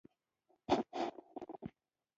د شمالي امريکا د دوه هيوادونو نومونه ووایاست.